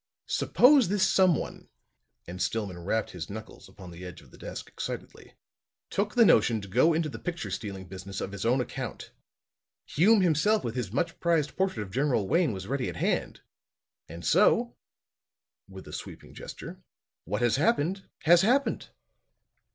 Suppose this someone," and Stillman rapped his knuckles upon the edge of the desk excitedly, "took the notion to go into the picture stealing business of his own account. Hume himself with his much prized portrait of General Wayne was ready at hand and so," with a sweeping gesture, "what has happened, has happened."